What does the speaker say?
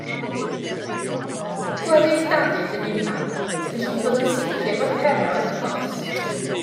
Os gwelid Dafydd yn unman, gellid bod yn sicr fod Pero yn agos.